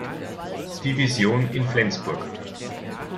Division in Flensburg.